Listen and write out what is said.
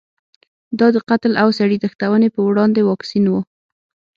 دا د قتل او سړي تښتونې په وړاندې واکسین و.